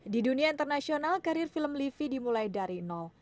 di dunia internasional karir film livi dimulai dari nol